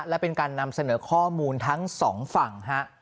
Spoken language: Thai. และเป็นการนำเสนอข้อมูลทั้งสองฝั่งฮะ